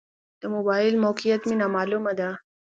د موبایل موقعیت مې نا معلومه ده.